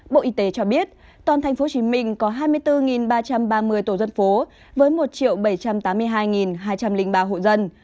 bộ y tế cho biết toàn thành phố hồ chí minh có hai mươi bốn ba trăm ba mươi tổ dân phố với một bảy trăm tám mươi hai hai trăm linh ba hộ dân